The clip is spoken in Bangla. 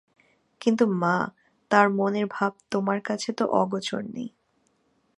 কিন্তু, মা, তার মনের ভাব তোমার কাছে তো অগোচর নেই।